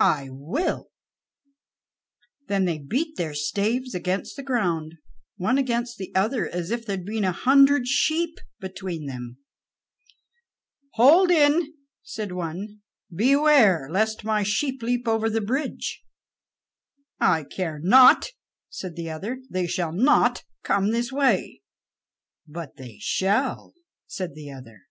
"I will," said the other. Then they beat their staves against the ground one against the other, as if there had been a hundred sheep between them. "Hold in," said one; "beware lest my sheep leap over the bridge." "I care not," said the other; "they shall not come this way." "But they shall," said the other.